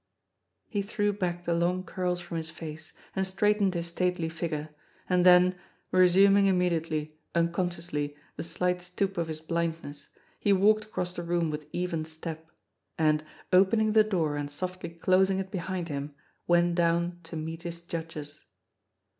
He threw back the long curls from his face and straight ened his stately figure, and then, resuming immediately, un consciously, the slight stoop of his blindness, he walked across the room with even step, and, opening the door and softly closing it behind him, went down to meet his judges.